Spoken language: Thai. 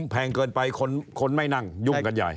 แพงเกินไปคนไม่นั่งยุ่งกันใหญ่